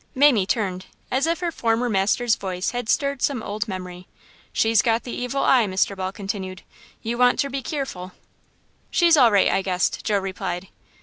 "Mamie" turned, as if her former master's voice had stirred some old memory. "She's got the evil eye," Mr. Ball continued. "You wanter be keerful." "She's all right, I guess," Joe replied.